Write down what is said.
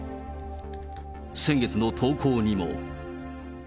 先月の投稿にも。